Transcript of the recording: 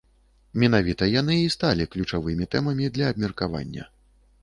Менавіта яны і сталі ключавымі тэмамі для абмеркавання.